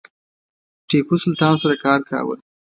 ټیپو سلطان سره کار کاوه.